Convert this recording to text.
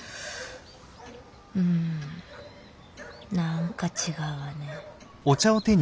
うん何か違うわね。